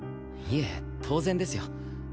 いえ当然ですよ。